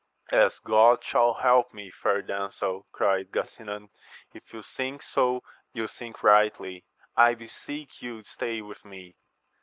As God shall help me, fair damsel, cried Gasinan, if you think so you think rightly : I beseech you stay with me.